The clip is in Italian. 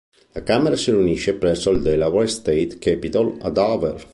La Camera si riunisce presso il Delaware State Capitol, a Dover.